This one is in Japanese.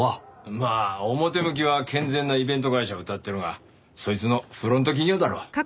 まあ表向きは健全なイベント会社をうたってるがそいつのフロント企業だろう。